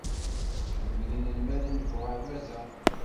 Kenwi d inelmaden deg uɣerbaz-a?